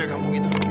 aku gak sudi berhenti